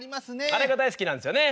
あれが大好きなんですよね。